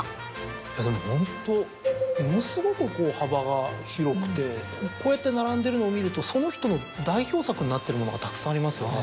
いやでもホントものすごくこう幅が広くてこうやって並んでるのを見るとその人の代表作になってるものがたくさんありますよね。